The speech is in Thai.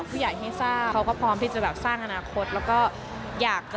กระหลัดเดียวเล็ก